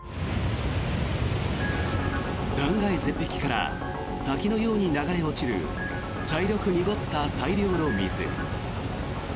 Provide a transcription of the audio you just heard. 断崖絶壁から滝のように流れ落ちる茶色く濁った大量の水。